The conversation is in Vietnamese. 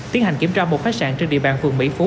tiến hành kiểm tra một khách sạn trên địa bàn phường mỹ phú